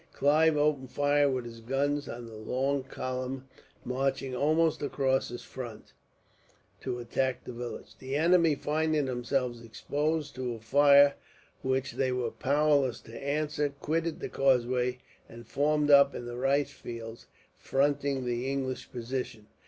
Clive opened fire with his guns on the long column marching, almost across his front, to attack the village. The enemy, finding themselves exposed to a fire which they were powerless to answer, quitted the causeway, and formed up in the rice fields fronting the English position.